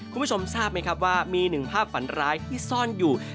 คุณผู้ชมทราบไหมครับว่ามีหนึ่งภาพฝันร้ายที่ซ่อนอยู่